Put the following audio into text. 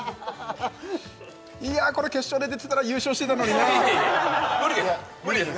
いやこれ決勝で出てたら優勝してたのにな無理です